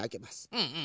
うんうん。